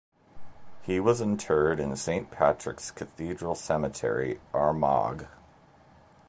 He was interred in Saint Patrick's Cathedral Cemetery, Armagh.